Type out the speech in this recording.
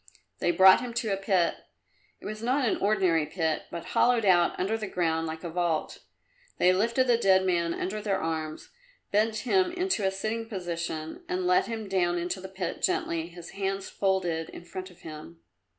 They brought him to a pit. It was not an ordinary pit, but hollowed out under the ground like a vault. They lifted the dead man under the arms, bent him into a sitting posture and let him down into the pit, gently, his hands folded in front of him.